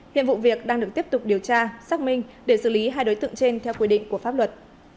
hiện vụ việc đang được tiếp tục điều tra xác minh để xử lý hai đối tượng trên theo quy định của pháp luật